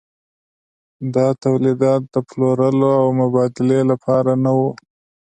دا تولیدات د پلورلو او مبادلې لپاره نه وو.